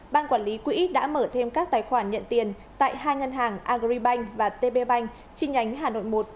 ban quản lý quỹ đã mở thêm các tài khoản nhận tiền tại hai ngân hàng agribank và tb bank chi nhánh hà nội một